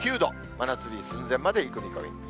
真夏日寸前までいく見込みです。